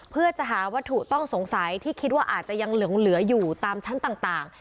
เพื่อจะหาวัตถุต้องสงสัยที่คิดว่าอาจจะยังเหลืออยู่ตามชั้นต่าง